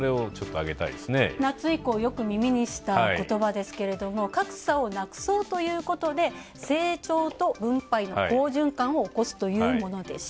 夏以降、よく耳にした言葉ですけれども、格差をなくそうということで、成長と分配の好循環を起こすというもの。